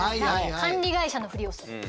管理会社のふりをする。